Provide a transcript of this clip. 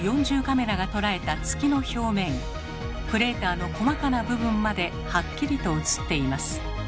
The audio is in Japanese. クレーターの細かな部分まではっきりと写っています。